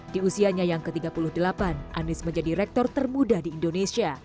di usianya yang ke tiga puluh delapan anies menjadi rektor termuda di indonesia